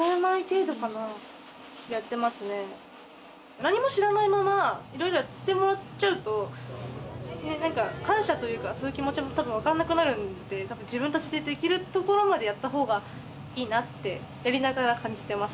何も知らないまま色々やってもらっちゃうと何か感謝というかそういう気持ちも多分分かんなくなるんで自分たちでできるところまでやった方がいいなってやりながら感じてます